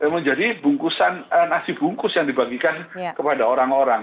menjadi bungkusan nasi bungkus yang dibagikan kepada orang orang